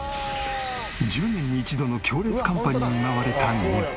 １０年に１度の強烈寒波に見舞われた日本。